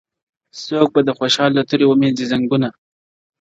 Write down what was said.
څوک به د خوشال له توري ومینځي زنګونه-